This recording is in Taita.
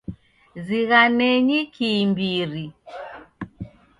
Zighanenyi kiimbiri.